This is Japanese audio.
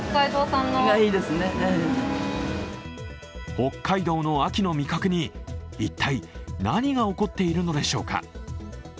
北海道の秋の味覚に、一体何が起こっているのでしょうか？